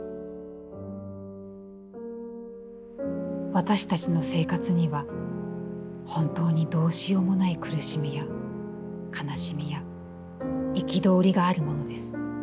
「私たちの生活には本当にどうしようもない苦しみや悲しみや憤りがあるものです。